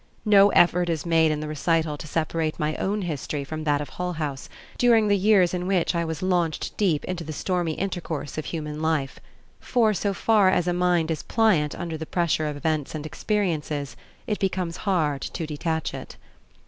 No effort is made in the recital to separate my own history from that of Hull House during the years in which I was "launched deep into the stormy intercourse of human life" for, so far as a mind is pliant under the pressure of events and experiences, it becomes hard to detach it.